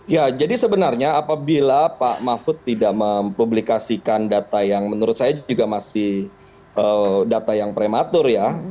ya jadi sebenarnya apabila pak mahfud tidak mempublikasikan data yang menurut saya juga masih data yang prematur ya